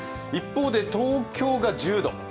一方で、東京が１０度。